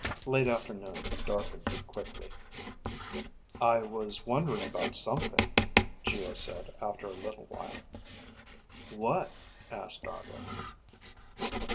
Late afternoon darkened quickly. "I was wondering about something," Geo said, after a little while. "What?" asked Argo.